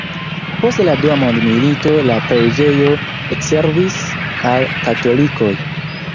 Post la dua mondmilito la preĝejo ekservis al katolikoj.